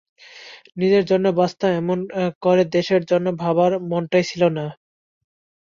নিজের জন্য বাঁচতাম, এমন করে দশের জন্য ভাবার মনটাই ছিল না।